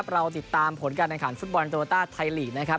เราติดตามผลการรันนัยขันฝุ่ดบอลนโตวัต้าไทยลีก